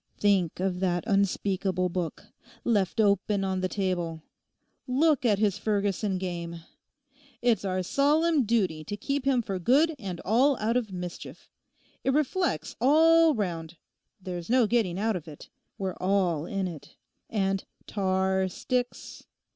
Think of that unspeakable book. Left open on the table! Look at his Ferguson game. It's our solemn duty to keep him for good and all out of mischief. It reflects all round. There's no getting out of it; we're all in it. And tar sticks.